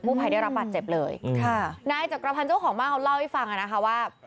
กูภัยได้รับปรัชเจ็บเลยค่ะนะประพันย์เจ้าของมากเขาเล่าให้ฟังอะนะคะว่า